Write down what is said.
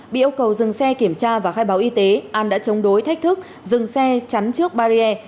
bị yêu cầu dừng xe kiểm tra và khai báo y tế an đã chống đối thách thức dừng xe chắn trước barrier